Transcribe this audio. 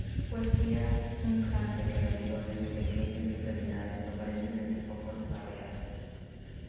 Poseía un cráneo relativamente pequeño y extremidades aparentemente poco desarrolladas.